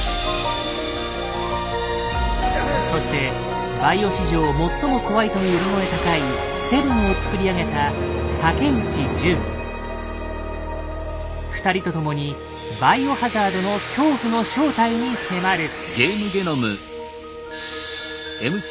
そしてバイオ史上最も怖いと呼び声高い「７」を作り上げた２人と共に「バイオハザード」の恐怖の正体に迫る。